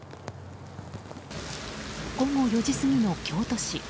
午後４時過ぎの京都市。